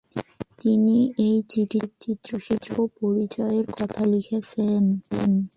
তিনি এ চিঠিতে নিজের চিত্রশিল্পী পরিচয়ের কথাও লিখেছিলেন।